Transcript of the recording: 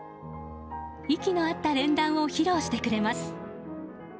息の合った連弾を披露してくれます。